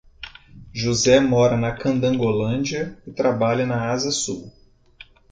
José mora na Candangolândia e trabalha na Asa Sul.